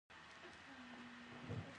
د سلطنتي کورنۍ مجرم غړي ته ځانګړې سزا وه.